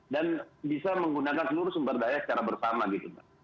dan bisa menggunakan seluruh sumber daya secara bersama gitu